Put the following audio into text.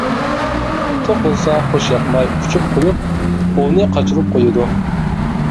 توق بولسا خوش ياقماي ئۇچۇپ قويۇپ، ئوۋنى قاچۇرۇپ قويىدۇ.